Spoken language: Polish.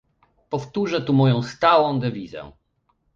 Powtórzę tu moją stałą dewizę